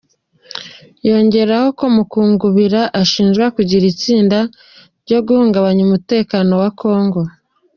Yongeraho ko Mukungubila ashinjwa kugira itsinda ryo guhungabanya umutekano wa Congo.